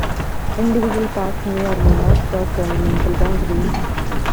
Individual parks may or may not cross governmental boundaries.